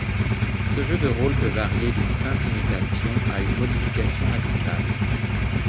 Ce jeu de rôle peut varier d'une simple imitation à une modification radicale.